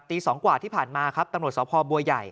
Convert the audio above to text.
ตี๒กว่าที่ผ่านมาครับตะโมดสภบัวยัย